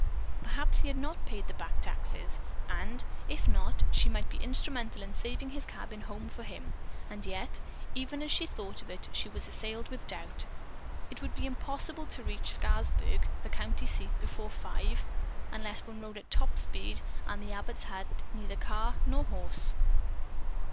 Perhaps he had not paid the back taxes, and, if not, she might be instrumental in saving his cabin home for him, and yet, even as she thought of it, she was assailed with doubt. It would be impossible to reach Scarsburg, the county seat, before five unless one rode at top speed, and the Abbotts had neither car nor horse.